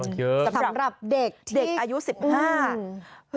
เยอะสำหรับเด็กที่สำหรับเด็กอายุ๑๕